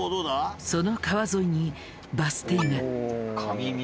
その川沿いにバス停が。